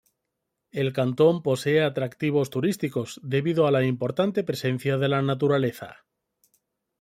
El cantón posee atractivos turísticos, debido a la importante presencia de la naturaleza.